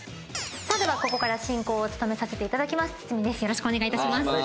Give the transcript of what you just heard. さあではここから進行を務めさせていただきます堤です。